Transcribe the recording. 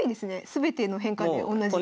全ての変化で同じだと。